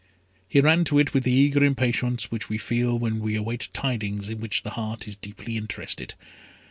He ran to it with the eager impatience which we feel when we await tidings in which the heart is deeply interested.